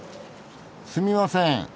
すみません。